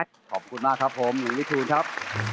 ขอบคุณมากครับผมหลีกูลครับ